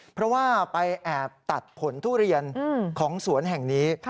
เพราะว่าไปแอบตัดผลทุเรียนของสวนแห่งนี้